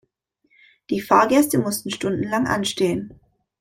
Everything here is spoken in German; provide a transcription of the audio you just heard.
Die Fahrgäste mussten stundenlang anstehen.